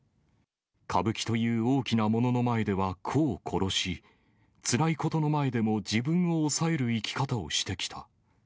歌舞伎という大きなものの前では個を殺し、つらいことの前でも、自分を抑える生き方をしてきた。